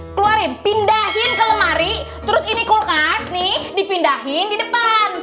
keluarin pindahin ke lemari terus ini kulkas nih dipindahin di depan